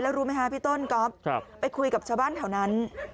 รู้ไหมคะพี่ต้นก๊อฟไปคุยกับชาวบ้านแถวนั้น